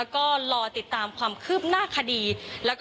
แล้วก็หลังจากนี้นะคะหลังจากที่เจ้าหน้าที่มีการสอบปากคำเรียบร้อยแล้ว